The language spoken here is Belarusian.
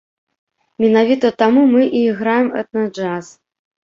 Менавіта таму мы і граем этна-джаз.